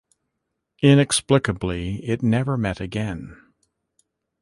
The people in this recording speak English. Inexplicably, it never met again.